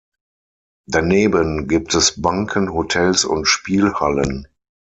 Daneben gibt es Banken, Hotels und Spielhallen.